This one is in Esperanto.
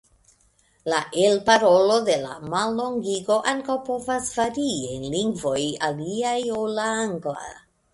La elparolo de la mallongigo ankaŭ povas varii en lingvoj aliaj ol la angla.